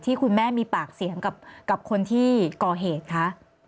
คุณแม่มีปากเสียงกับคนที่ก่อเหตุคะ